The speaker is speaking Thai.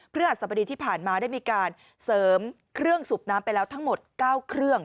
หัสบดีที่ผ่านมาได้มีการเสริมเครื่องสูบน้ำไปแล้วทั้งหมด๙เครื่อง